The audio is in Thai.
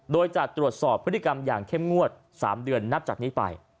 โดยจะตรวจสอบพฤติกรรมอย่างเข้มงวด๓เดือนนับจากนี้ไป